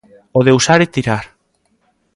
O de usar e tirar.